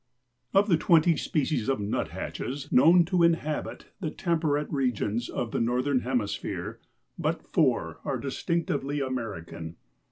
Of the twenty species of nuthatches known to inhabit the temperate regions of the Northern hemisphere, but four are distinctively American.